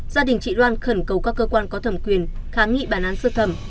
gia đình chị loan khẩn cầu các cơ quan có thẩm quyền kháng nghị bản án sơ thẩm